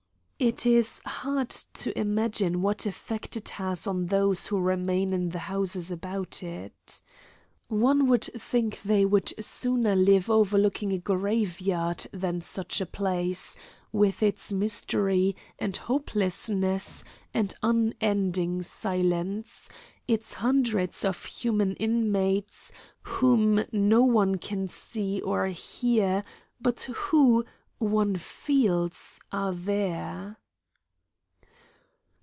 It is hard to imagine what effect it has on those who remain in the houses about it. One would think they would sooner live overlooking a graveyard than such a place, with its mystery and hopelessness and unending silence, its hundreds of human inmates whom no one can see or hear, but who, one feels, are there.